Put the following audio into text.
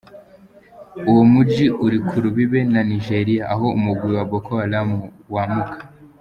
Uwo muji uri ku rubibe na Nigeria, aho umugwi Boko Haram wamuka.